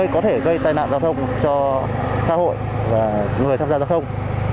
có thể gây tai nạn giao thông cho xã hội và người tham gia giao thông